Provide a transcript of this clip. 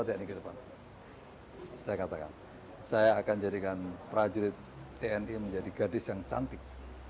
tni ke depan mau dijadikan apa tni ke depan saya katakan saya akan jadikan prajurit tni menjadi gadis yang cantik